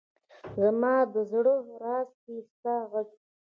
زما ده زړه درزا کي ستا غږ دی